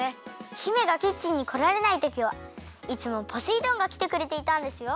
姫がキッチンにこられないときはいつもポセイ丼がきてくれていたんですよ。